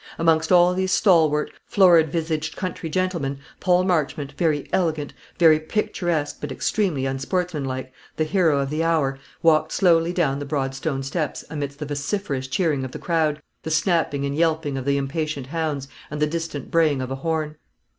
Amongst all these stalwart, florid visaged country gentlemen, Paul Marchmont, very elegant, very picturesque, but extremely unsportsmanlike, the hero of the hour, walked slowly down the broad stone steps amidst the vociferous cheering of the crowd, the snapping and yelping of impatient hounds, and the distant braying of a horn.